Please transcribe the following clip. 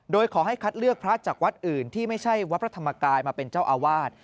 โดยขอให้คัดเลือกพระจากวัดอื่นที่ไม่ใช่วัดพระธรรมกายมาเป็นเจ้าอาวาส